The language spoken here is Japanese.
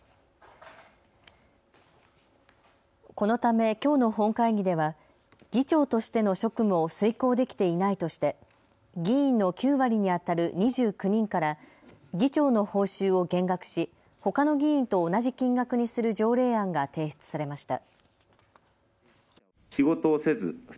このため、きょうの本会議では議長としての職務を遂行できていないとして議員の９割にあたる２９人から議長の報酬を減額しほかの議員と同じ金額にする条例案が提出されました。